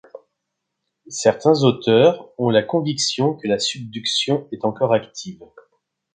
Certains auteurs ont la conviction que la subduction est encore active.